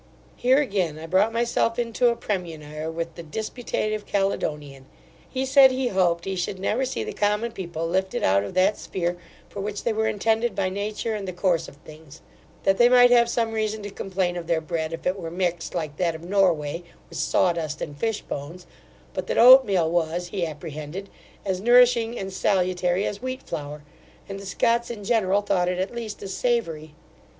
Here again I brought my self into a premunire with the disputative Caledonian. He said he hoped he should never see the common people lifted out of that sphere for which they were intended by nature and the course of things; that they might have some reason to complain of their bread, if it were mixed, like that of Norway, with saw dust and fish bones; but that oatmeal was, he apprehended, as nourishing and salutary as wheat flour, and the Scots in general thought it at least as savoury.